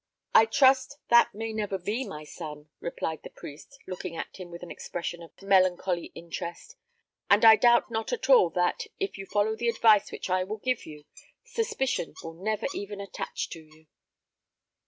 "I trust that may never be, my son," replied the priest, looking at him with an expression of melancholy interest; "and I doubt not at all that, if you follow the advice which I will give you, suspicion will never even attach to you."